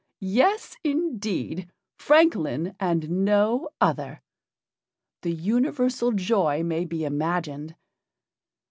"Yes, indeed! Francolin, and no other!" The universal joy may be imagined.